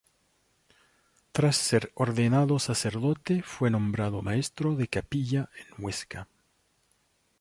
Tras ser ordenado sacerdote, fue nombrado maestro de capilla en Huesca.